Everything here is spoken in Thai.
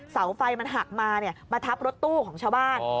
เสาไฟมันหักมามาทับรถตู้ของชาวบ้าน